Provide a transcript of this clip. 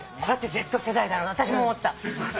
これってＺ世代だろうな私も思った。